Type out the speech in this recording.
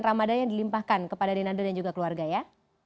dan ramadannya dilimpahkan kepada dinadu dan juga keluarga ya